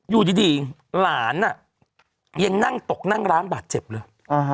อยู่ดีหลานยังนั่งตกนั่งร้านบาดเจ็บเลย